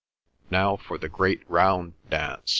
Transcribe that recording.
"Now for the great round dance!"